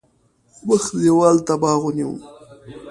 مخ دېوال ته باغ ونیو.